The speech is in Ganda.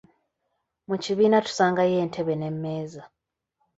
Mu kibiina tusangayo entebe n'emmeeza.